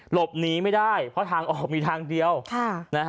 หลบหนีไม่ได้เพราะทางออกมีทางเดียวค่ะนะฮะ